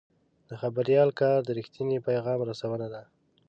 د خبریال کار د رښتیني پیغام رسونه ده.